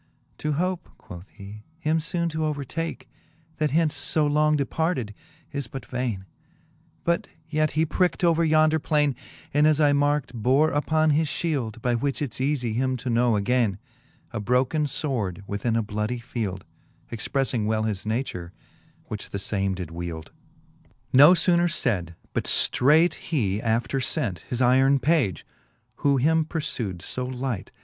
To hope, quoth he, him foone to overtake, That hence {q long departed, is but vaine ; But yet he pricked over yonder plaine, And, as I niarked, bore upon his fhield, By which it's eafie him to know againe, A broken fword within a bloodie field j Expreffing well his nature, which the lame did wield* C z XX. No 12 I'he fifth Booke of Canto I. XX, No {boner fayd, but ftreight he after ient His yron page, who him purfew'd fo light.